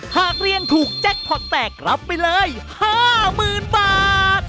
หากเรียนถูกแจ็คพอร์ตแตกรับไปเลย๕๐๐๐๐บาท